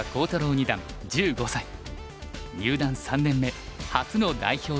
入段３年目初の代表入りです。